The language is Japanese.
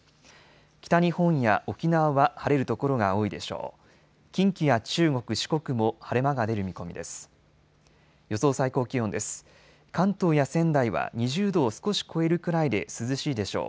北日本や沖縄は晴れる所が多いでしょう。